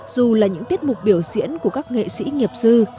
dù là những tiết mục biểu diễn của các nghệ sĩ nghiệp sư